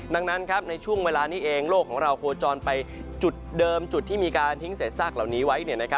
ดังนั้นในช่วงเวลานี้เองโลกของเราโคจรไปจุดเดิมจุดที่มีการทิ้งเศษซากเหล่านี้ไว้